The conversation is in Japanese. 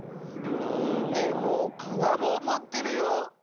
うんでもかなぼうもってるよ。